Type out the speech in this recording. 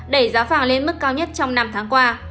đẩy giá vàng lên mức cao nhất trong năm tháng qua